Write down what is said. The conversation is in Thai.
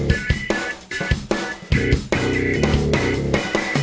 เอาละมาพ่อมูนอีดดว่า